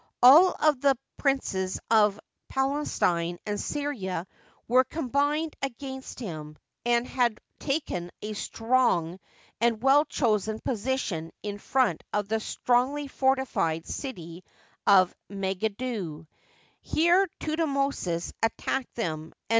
All of the Digitized byCjOOQlC 74 HISTORY OF EGYPT. princes of Palestine and Syria were combined against him, and had taken a strong and well chosen position in front of the strongly fortified city of Me^iddo, Here Thutmosis attacked them, and.